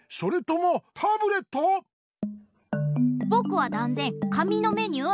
ぼくはだんぜん紙のメニュー。